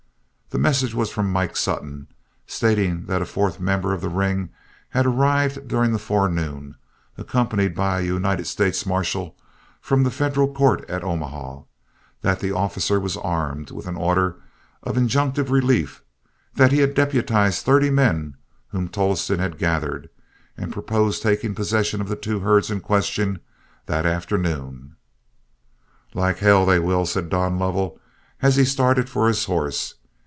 The message was from Mike Sutton, stating that a fourth member of the ring had arrived during the forenoon, accompanied by a United States marshal from the federal court at Omaha; that the officer was armed with an order of injunctive relief; that he had deputized thirty men whom Tolleston had gathered, and proposed taking possession of the two herds in question that afternoon. "Like hell they will," said Don Lovell, as he started for his horse.